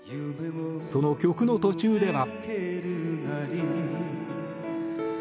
その曲の途中では。